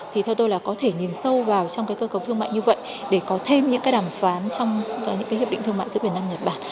thì theo tôi là có thể nhìn sâu vào trong cái cơ cấu thương mại như vậy để có thêm những cái đàm phán trong những cái hiệp định thương mại giữa việt nam nhật bản